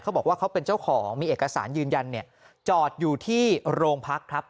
บอกว่าเขาเป็นเจ้าของมีเอกสารยืนยันจอดอยู่ที่โรงพักครับ